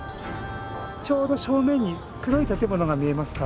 ちょうど正面に黒い建物が見えますか？